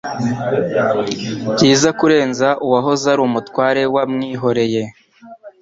byiza kurenza uwahoze ari umutware wamwihoreye